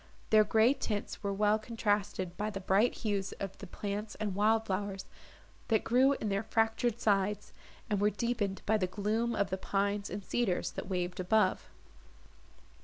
Their grey tints were well contrasted by the bright hues of the plants and wild flowers, that grew in their fractured sides, and were deepened by the gloom of the pines and cedars, that waved above.